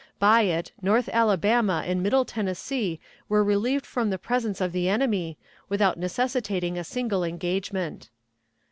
By it north Alabama and Middle Tennessee were relieved from the presence of the enemy, without necessitating a single engagement.